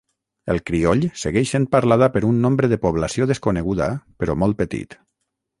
El crioll segueix sent parlada per un nombre de població desconeguda però molt petit.